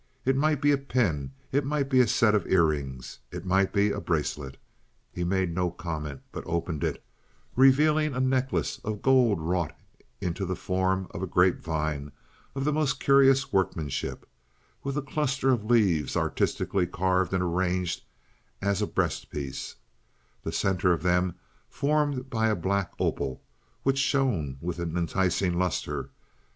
It might be a pin, it might be a set of ear rings, it might be a bracelet—" He made no comment, but opened it, revealing a necklace of gold wrought into the form of a grape vine of the most curious workmanship, with a cluster of leaves artistically carved and arranged as a breastpiece, the center of them formed by a black opal, which shone with an enticing luster.